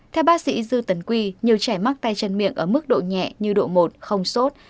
theo bác sĩ dư tấn quy nhiều trẻ mắc tay chân miệng ở mức độ nhẹ như độ một không sốt